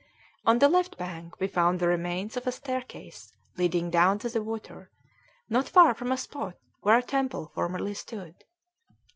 On the left bank we found the remains of a staircase leading down to the water, not far from a spot where a temple formerly stood.